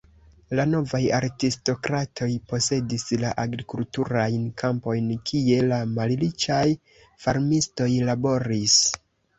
La novaj aristokratoj posedis la agrikulturajn kampojn, kie la malriĉaj farmistoj laboris.